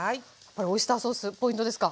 これオイスターソースポイントですか？